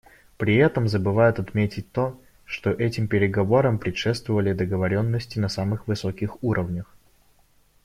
При этом забывают отметить то, что этим переговорам предшествовали договоренности на самых высоких уровнях.